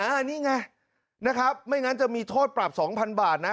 อันนี้ไงนะครับไม่งั้นจะมีโทษปรับ๒๐๐บาทนะ